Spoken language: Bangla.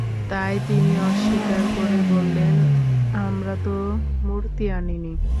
তাই তিনি অস্বীকার করে বললেন, আমরা তো মূর্তি আনিনি।